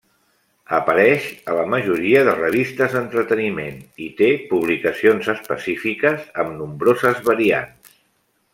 Apareix a la majoria de revistes d'entreteniment i té publicacions específiques amb nombroses variants.